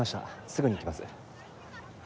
すぐに行きます。